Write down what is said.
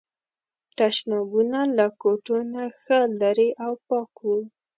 تشنابونه له کوټو نه ښه لرې او پاک وو.